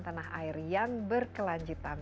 tanah air yang berkelanjutan